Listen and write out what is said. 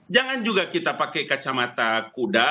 jangan juga kita pakai kacamata kuda